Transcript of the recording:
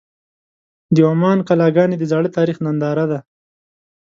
د عمان قلعهګانې د زاړه تاریخ ننداره ده.